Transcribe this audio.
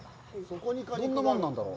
どんなもんなんだろう。